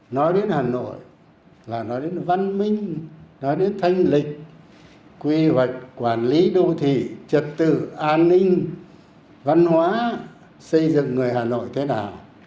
nói đến hà nội là nói đến văn minh nói đến thanh lịch quy hoạch quản lý đô thị trật tự an ninh văn hóa xây dựng người hà nội thế nào